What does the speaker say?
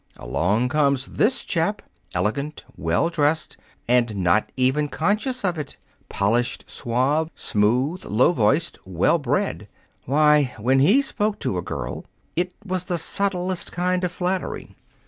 Along comes this chap, elegant, well dressed and not even conscious of it, polished, suave, smooth, low voiced, well bred. Why, when he spoke to a girl, it was the subtlest kind of flattery.